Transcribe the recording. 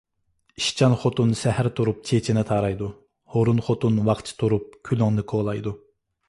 ئىشچان خوتۇن سەھەر تۇرۇپ چېچىنى تارايدۇ، ھۇرۇن خوتۇن ۋاقچە تۇرۇپ كۈلۈڭنى كولايدۇ.